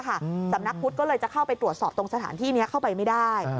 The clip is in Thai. สำนักพุทธก็เลยจะเข้าไปตรวจสอบตรงสถานที่นี้เข้าไปไม่ได้